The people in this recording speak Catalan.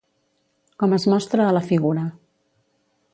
Com es mostra a la figura.